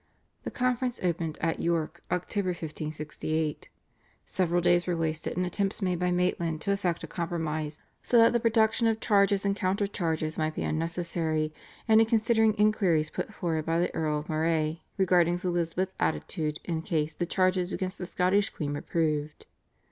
The conference opened at York (October 1568). Several days were wasted in attempts made by Maitland to effect a compromise so that the production of charges and counter charges might be unnecessary, and in considering inquiries put forward by the Earl of Moray regarding Elizabeth's attitude in case the charges against the Scottish queen were proved.